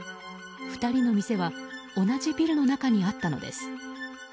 ２人の店は同じビルの中にあったのです。